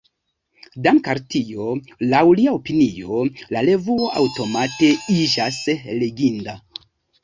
Dank’ al tio, laŭ lia opinio, la revuo aŭtomate iĝas “leginda”.